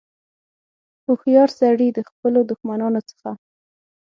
هوښیار سړي د خپلو دښمنانو څخه.